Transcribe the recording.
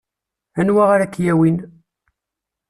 Anwa ara k-yawin?